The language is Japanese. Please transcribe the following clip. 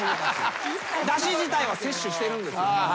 だし自体は摂取してるんです。